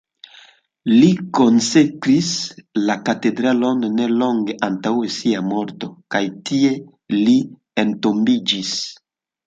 Li konsekris la katedralon ne longe antaŭ sia morto, kaj tie li entombiĝis.